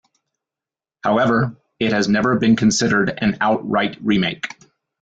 However, it has never been considered an outright remake.